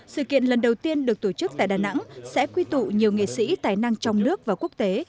sự kiện lần đầu tiên được tổ chức tại đà nẵng sẽ quy tụ nhiều nghệ sĩ tài năng trong nước và quốc tế